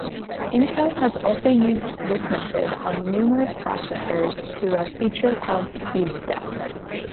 Intel has also used this method on numerous processors through a feature called SpeedStep.